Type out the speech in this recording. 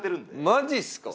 マジっすか？